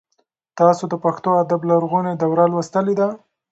تاسو د پښتو ادب لرغونې دوره لوستلې ده؟